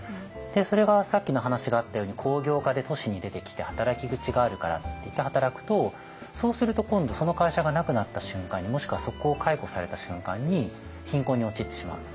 それがさっきの話があったように工業化で都市に出てきて働き口があるからっていって働くとそうすると今度その会社がなくなった瞬間にもしくはそこを解雇された瞬間に貧困に陥ってしまう。